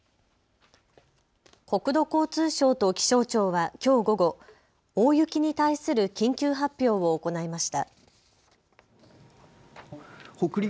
国土交通省と気象庁はきょう午後、大雪に対する緊急発表を行いました。